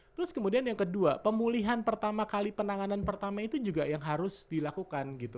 terus kemudian yang kedua pemulihan pertama kali penanganan pertama itu juga yang harus dilakukan gitu